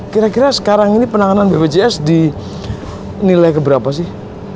kira kira sekarang ini penanganan bpjs di nilai ke berapa sih